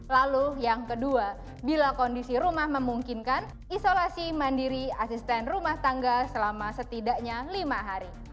lalu yang kedua bila kondisi rumah memungkinkan isolasi mandiri asisten rumah tangga selama setidaknya lima hari